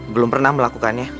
belum pernah melakukannya